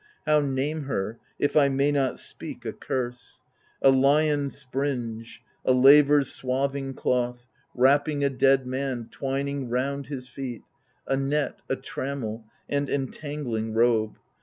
How name her, if I may not speak a curse ? A lion springe ! a laver's swathing cloth, Wrapping a dead man, twining round his feet — A net, a trammel, an entangling robe